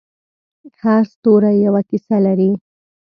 هر ستوری یوه کیسه لري.